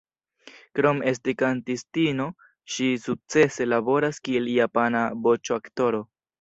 Krom esti kantistino, ŝi sukcese laboras kiel japana voĉoaktoro.